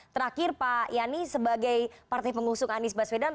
terakhir pak yani sebagai partai pengusung anies baswedan